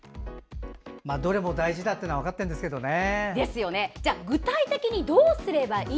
どれも大事なのは分かってるんですけどね。